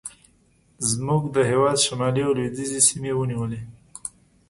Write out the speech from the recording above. زموږ د هېواد شمالي او لوېدیځې سیمې ونیولې.